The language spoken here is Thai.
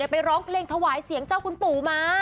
ไปเราะเล่นทหวายเขาเสียงเจ้าขุนปู่มา